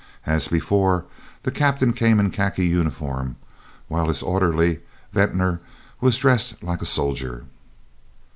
As before, the Captain came in a khaki uniform, while his orderly, Venter, was dressed like a soldier.